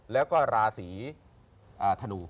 แล้วก็ราศีธนู